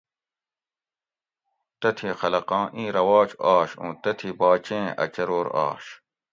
تتھی خلقاں ایں رواج آش اوں تتھی باچیں اۤ چرور آش